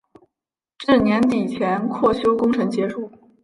至年底前扩修工程结束。